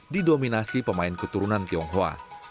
didominasi pemain keturunan tionghoa